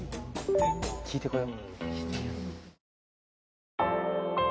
聞いて来よう。